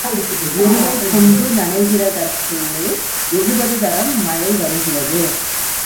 எருமைக் கொம்பு நனைகிறதற்குள்ளே எழுபது தரம் மழை வருகிறது.